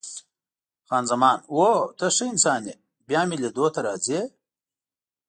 خان زمان: هو، ته ښه انسان یې، بیا مې لیدو ته راځې؟